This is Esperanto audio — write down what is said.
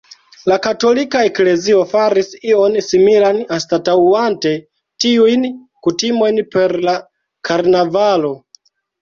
La katolika eklezio faris ion similan anstataŭante tiujn kutimojn per la karnavalo.